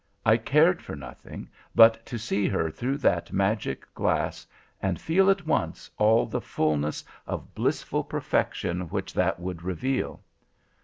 I cared for nothing, but to see her through that magic glass, and feel at once, all the fulness of blissful perfection which that would reveal.